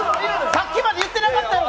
さっきまで言ってなかったやろ！